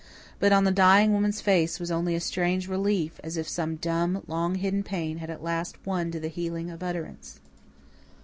But on the dying woman's face was only a strange relief, as if some dumb, long hidden pain had at last won to the healing of utterance.